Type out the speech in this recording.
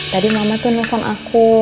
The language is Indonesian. tadi mama tuh nelfon aku